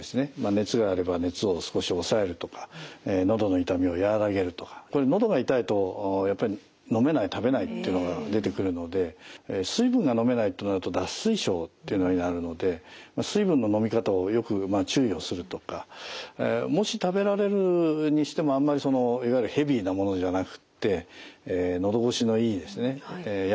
熱があれば熱を少し抑えるとかのどの痛みを和らげるとかこれのどが痛いとやっぱり飲めない食べないっていうのが出てくるので水分が飲めないとなると脱水症っていうのになるので水分の飲み方をよく注意をするとかもし食べられるにしてもあんまりいわゆるヘビーなものじゃなくってのど越しのいいですねやわらかいもの